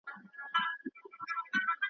هغه زه یم چي بلېږم له پتنګ سره پیمان یم `